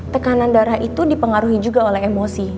tekanan darah itu dipengaruhi juga oleh emosi